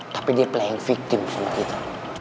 tapi dia playing victim sama kita